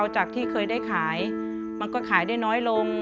จากที่เคยได้ขายมันก็ขายได้น้อยลง